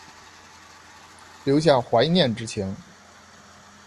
留下怀念之情